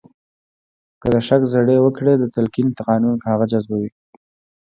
که د شک زړي وکرئ د تلقین قانون هغه جذبوي